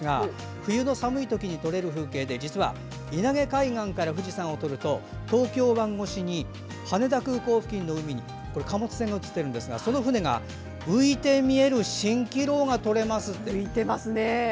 冬の寒い時に撮れる風景で稲毛海岸から富士山を撮ると東京湾越しに羽田空港付近の海に貨物船が写ってるんですがその船が浮いて見える蜃気楼が撮れますって。